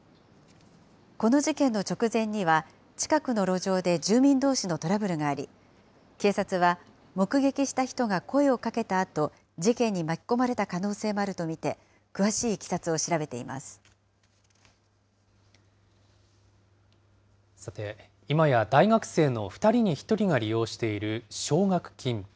この事件の直前には、近くの路上で住民どうしのトラブルがあり、警察は目撃した人が声をかけたあと、事件に巻き込まれた可能性もあると見て、さて、今や大学生の２人に１人が利用している奨学金。